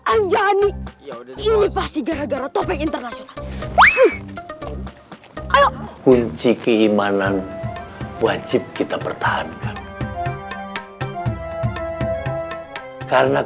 anjanik ini pasti gara gara topeng internasional kunci keimanan wajib kita pertahankan karena